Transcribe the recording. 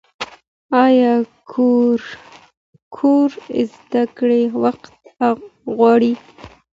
ایا کور زده کړه وخت غواړي؟